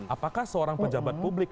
apakah seorang pejabat publik